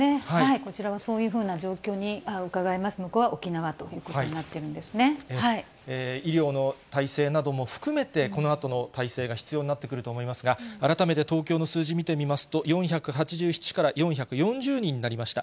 こちらはそういうふうな状況がうかがえますのが、医療の体制なども含めて、このあとの態勢が必要になってくると思いますが、改めて、東京の数字見てみますと、４８７から４４０人になりました。